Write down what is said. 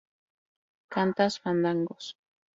cantas fandangos